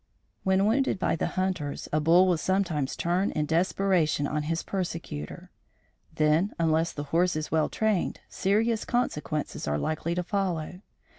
When wounded by the hunters, a bull will sometimes turn in desperation on his persecutor. Then, unless the horse is well trained, serious consequences are likely to follow.